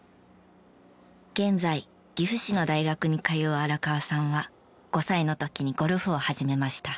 現在岐阜市の大学に通う荒川さんは５歳の時にゴルフを始めました。